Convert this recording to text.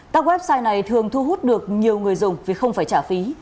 các website này thường thu hút được nhiều người dùng vì không phải trả phí